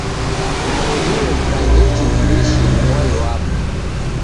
Naredelo brangeti m'mbishi ni mwai wapo.